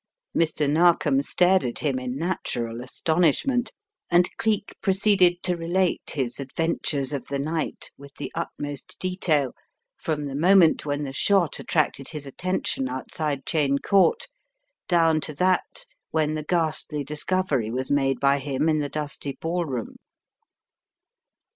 Mr. Narkom stared at him in natural astonish ment and Cleek proceeded to relate his adventures of the night, with the utmost detail, from the moment when the shot attracted his attention outside Cheyne Court, down to that when the ghastly discovery was made by him in the dusty ballroom.